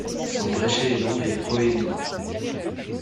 Son bréchet est long et proéminent.